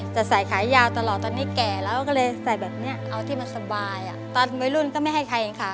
ช่วงแรกรับไม่ได้ก็เศร้าค่ะ